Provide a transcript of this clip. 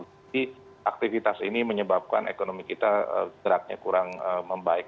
jadi aktivitas ini menyebabkan ekonomi kita geraknya kurang membaik